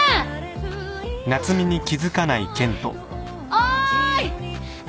おーい！